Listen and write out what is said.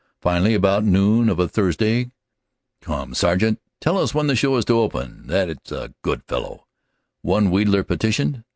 Finally about noon of a Thursday "Come Sergeant, tell us when the show is to open, that s a good fellow," one wheedler petitioned.